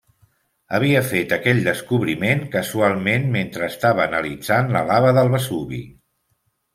Havia fet aquell descobriment casualment mentre estava analitzant la lava del Vesuvi.